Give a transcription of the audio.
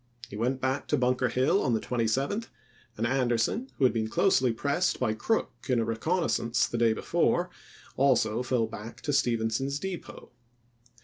He went back to Bunker Hill on the 27th, and Anderson, who had been closely Aug.,i86*. pressed by Crook in a reconnaissance the day be fore, also fell back to Stephenson's Depot.